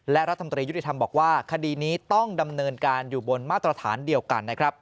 และรัฐมนตรียุติธรรมบอกว่าคดีนี้ต้องดำเนินการอยู่บนมาตรฐานเดียวกันนะครับ